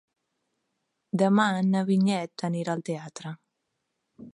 Demà na Vinyet anirà al teatre.